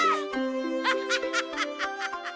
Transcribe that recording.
ワハハハハハハ！